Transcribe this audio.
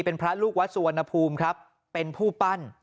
เป็นพระลูกวัดสุวรรณภูมิครับเป็นผู้ปั้น